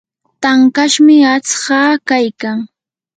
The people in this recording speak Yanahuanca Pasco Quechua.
tankashmi aqtsaa kaykan.